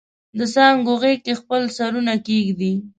دڅانګو غیږ کې خپل سرونه کښیږدي